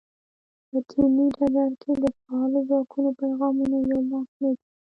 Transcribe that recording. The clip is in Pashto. په دیني ډګر کې د فعالو ځواکونو پیغامونه یو لاس نه دي.